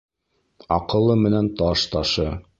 Аҡыллы менән таш ташы.